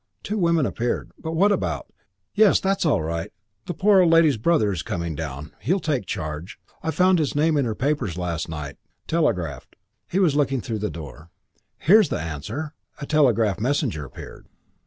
Two women appeared. "But about " "Yes, that's all right. The poor old lady's brother is coming down. He'll take charge. I found his name in her papers last night. Telegraphed." He was looking through the door. "Here's the answer." A telegraph messenger appeared.